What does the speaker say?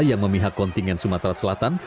yang memihak kontingen sumatera selatan